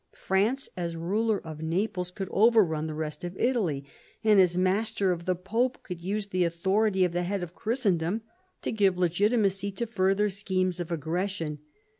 France, as ruler of Naples, could overrun the rest of Italy, and as master of the Pope could use the authority of the head of Christen dom to give legitimacy to further schemes of aggression.